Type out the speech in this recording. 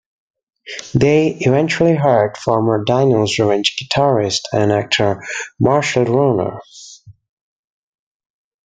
They eventually hired former Dino's Revenge guitarist and actor Marshall Rohner.